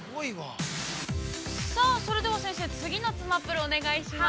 ◆さあ、それでは先生、次のつまぷるをお願いします。